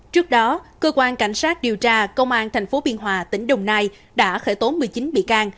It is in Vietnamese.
trước đó cơ quan cảnh sát điều tra công an tp biên hòa tỉnh đồng nai đã khởi tố một mươi chín bị can